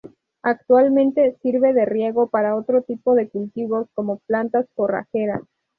Actualmente sirve de riego para otro tipo de cultivos, como plantas forrajeras.